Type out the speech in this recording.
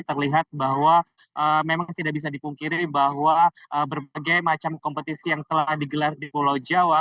terlihat bahwa memang tidak bisa dipungkiri bahwa berbagai macam kompetisi yang telah digelar di pulau jawa